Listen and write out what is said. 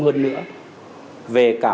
hơn nữa về cả